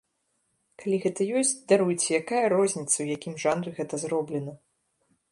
Калі гэта ёсць, даруйце, якая розніца, у якім жанры гэта зроблена.